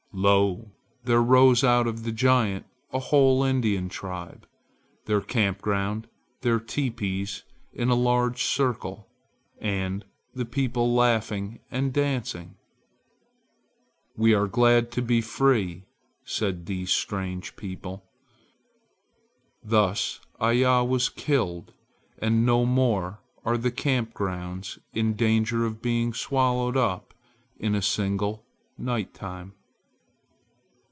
Lo! there rose out of the giant a whole Indian tribe: their camp ground, their teepees in a large circle, and the people laughing and dancing. "We are glad to be free!" said these strange people. Thus Iya was killed; and no more are the camp grounds in danger of being swallowed up in a single night time.